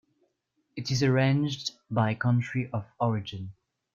It is arranged by country of origin.